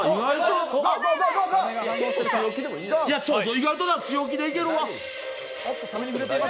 意外と強気でいけるわ！